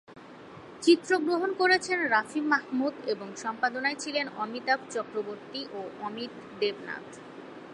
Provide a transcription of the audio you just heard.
চিত্রগ্রহণ করেছেন রাফি মাহমুদ এবং সম্পাদনায় ছিলেন অমিতাভ চক্রবর্তী ও অমিত দেবনাথ।